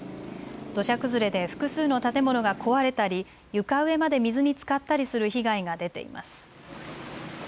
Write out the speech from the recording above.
土砂崩れで複数の建物が壊れたり床上まで水につかったりする被害が出ています。